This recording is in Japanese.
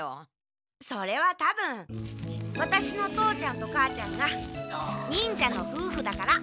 それはたぶんワタシの父ちゃんと母ちゃんが忍者のふうふだから！